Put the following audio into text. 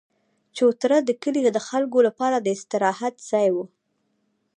چوتره د کلي د خلکو لپاره د استراحت ځای وو.